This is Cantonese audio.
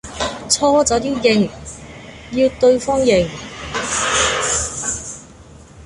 錯就要認，要對方認